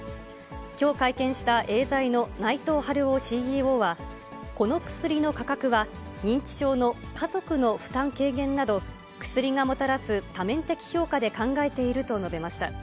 きょう会見したエーザイの内藤晴夫ＣＥＯは、この薬の価格は認知症の家族の負担軽減など、薬がもたらす多面的評価で考えていると述べました。